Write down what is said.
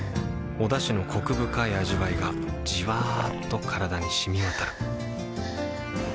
おだしのコク深い味わいがじわっと体に染み渡るはぁ。